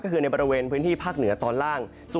ก็คือในบริเวณพื้นที่ภาคเหนือตอนล่าง